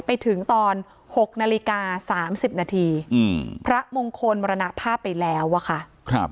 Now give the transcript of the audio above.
ไปถึงตอน๖นาฬิกา๓๐นาทีพระมงคลมรณภาพไปแล้วอะค่ะครับ